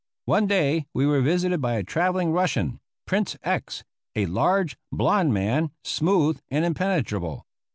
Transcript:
One day we were visited by a travelling Russian, Prince X., a large, blond man, smooth and impenetrable.